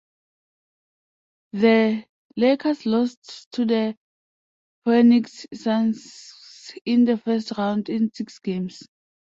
The Lakers lost to the Phoenix Suns in the first round in six games.